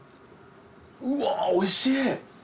うわおいしい。